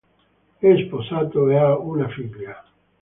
È sposato e ha una figlia.